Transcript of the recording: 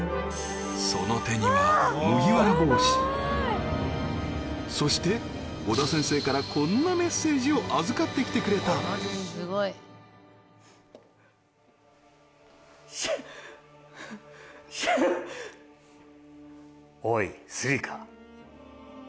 その手にはそして尾田先生からこんなメッセージを預かってきてくれたシャンシャンおいスリカ！！